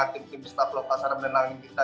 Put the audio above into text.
tim tim staff lokasar menenangin kita